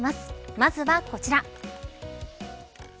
まずはこちら。